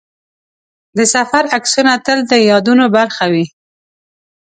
د سفر عکسونه تل د یادونو برخه وي.